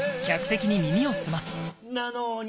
なのに